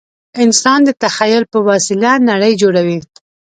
انسان د تخیل په وسیله نړۍ جوړوي.